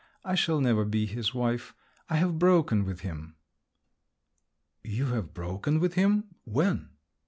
I shall never be his wife. I have broken with him." "You have broken with him? when?"